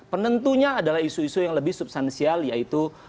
penentunya adalah isu isu yang lebih substansial yaitu